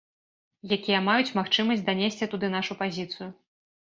Якія маюць магчымасць данесці туды нашу пазіцыю.